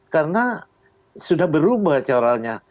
karena sudah berubah caranya